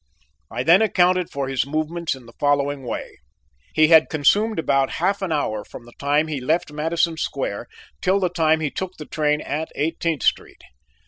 I then accounted for his movements in the following way: he had consumed about half an hour from the time he left Madison Square till the time he took the train at Eighteenth Street.